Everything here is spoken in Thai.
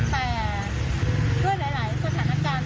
แต่ด้วยหลายหลายสถานการณ์ที่เขาบอกเรามามันไม่ตรงอ่ะ